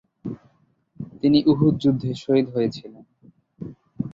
তিনি উহুদ যুদ্ধে শহীদ হয়ে ছিলেন।